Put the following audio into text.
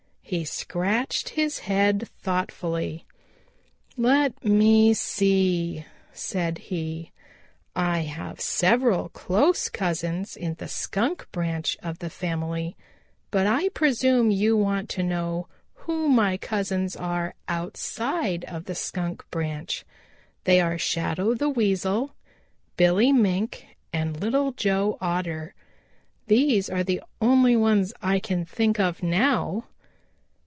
He scratched his head thoughtfully. "Let me see," said he, "I have several close cousins in the Skunk branch of the family, but I presume you want to know who my cousins are outside of the Skunk branch. They are Shadow the Weasel, Billy Mink and Little Joe Otter. These are the only ones I can think of now."